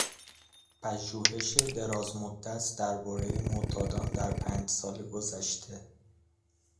پژوهش دراز مدت دربارهی معتادان در پنج سال گذشته